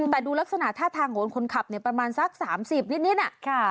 แต่ดูลักษณะท่าทางของคนขับประมาณสัก๓๐นิดนิดน่ะ